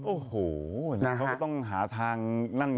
โอ้โหนะครับเขาก็ต้องหาทางนั่งเยอะนะ